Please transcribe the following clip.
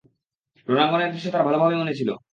রণাঙ্গনের দৃশ্য তার ভালভাবেই মনে ছিল।